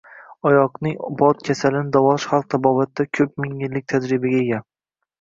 Oyoqning bod kasalini davolash xalq tabobatida ko‘p ming yillik tajribaga ega.